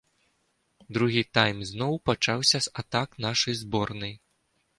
Другі тайм зноў пачаўся з атак нашай зборнай.